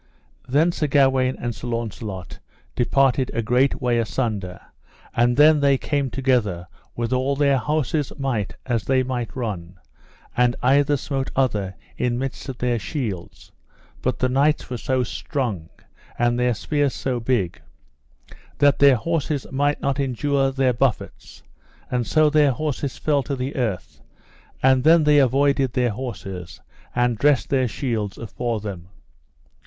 Then Sir Gawaine and Sir Launcelot departed a great way asunder, and then they came together with all their horses' might as they might run, and either smote other in midst of their shields; but the knights were so strong, and their spears so big, that their horses might not endure their buffets, and so their horses fell to the earth; and then they avoided their horses, and dressed their shields afore them.